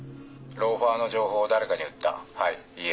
ローファーの情報を誰かに売った。